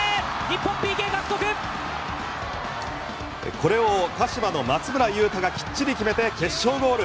これを鹿島の松村優太がきっちり決めて決勝ゴール。